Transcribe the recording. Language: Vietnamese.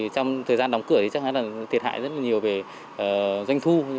trong thời gian đóng cửa thì chắc hẳn là thiệt hại rất nhiều về doanh thu